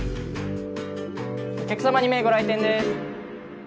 お客様２名ご来店です。